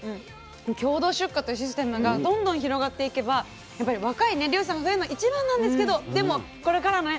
共同出荷というシステムがどんどん広がっていけばやっぱり若い漁師さんが増えるの一番なんですけどでもこれからね